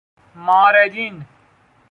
ماردین